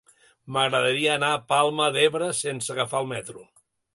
M'agradaria anar a la Palma d'Ebre sense agafar el metro.